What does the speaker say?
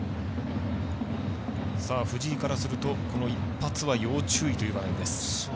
藤井からするとこの一発は要注意という場面です。